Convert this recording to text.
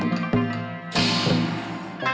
วันนี้ข้ามาขอยืมของสำคัญ